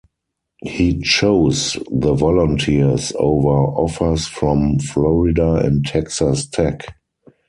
He chose the Volunteers over offers from Florida and Texas Tech.